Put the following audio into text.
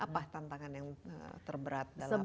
apa tantangan yang terberat dalam melakukan ini